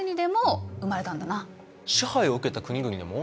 支配を受けた国々でも？